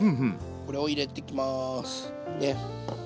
これを入れてきます。